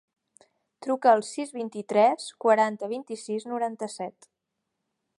Truca al sis, vint-i-tres, quaranta, vint-i-sis, noranta-set.